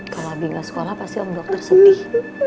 kalau bi nggak sekolah pasti om dokter sedih